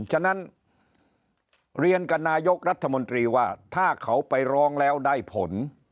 ฉะนั้นเรียนกับนายกรัฐมนตรีว่าถ้าเขาไปร้องแล้วได้ผล